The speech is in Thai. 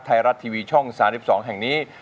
ไทยรัฐทีวีช่อง๓๒แห่งนี้